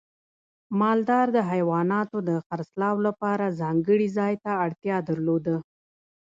مالدار د حیواناتو د خرڅلاو لپاره ځانګړي ځای ته اړتیا درلوده.